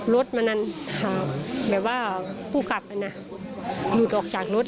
รถมันนั้นแบบว่าผู้ขับนะหลุดออกจากรถ